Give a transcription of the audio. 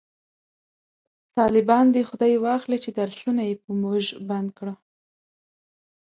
طالبان دی خداي واخلﺉ چې درسونه یې په موژ بند کړو